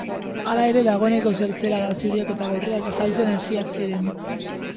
Hala ere, dagoeneko zertzelada zuriak eta gorriak azaltzen hasiak ziren.